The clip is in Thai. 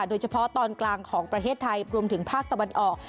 โดยเฉพาะตอนกลางของประเทศไทยรวมถึงภาคตะวันออก